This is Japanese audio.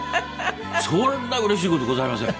そんなうれしい事ございません。